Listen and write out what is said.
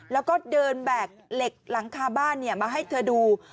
แล้วก็เดินแบกเหล็กหลังคาบ้านมาให้เธอดู